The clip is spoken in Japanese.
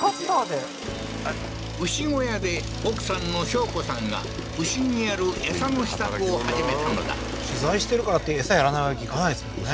牛小屋で奥さんの章子さんが牛にやる餌の支度を始めたのだ取材してるからって餌やらないわけにいかないですもんね